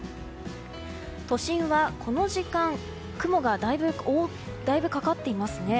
都心は、この時間雲がだいぶかかっていますね。